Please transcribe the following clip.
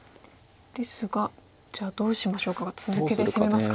ですがじゃあどうしましょうか続けて攻めますか。